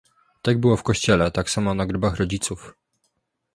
"Tak było w kościele, tak samo na grobach rodziców."